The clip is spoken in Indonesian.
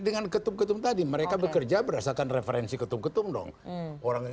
dengan ketum ketum tadi mereka bekerja berdasarkan referensi ketum ketum dong